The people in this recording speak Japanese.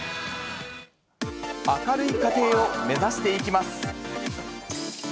明るい家庭を目指していきま